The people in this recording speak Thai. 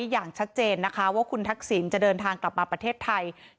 อย่างชัดเจนนะคะว่าคุณทักษิณจะเดินทางกลับมาประเทศไทย